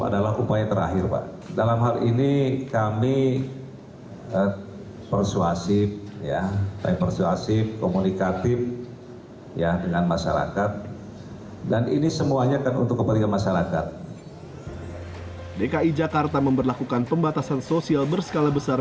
dki jakarta memberlakukan pembatasan sosial berskala besar